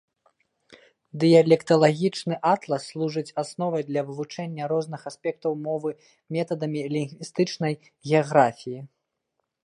Дыялекталагічны атлас служыць асновай для вывучэння розных аспектаў мовы метадамі лінгвістычнай геаграфіі.